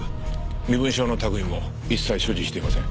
身分証の類も一切所持していません。